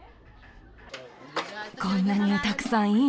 こんなにたくさんいいの？